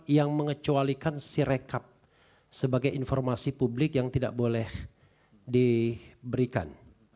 yang mengecualikan sirekap sebagai informasi publik yang tidak boleh diberikan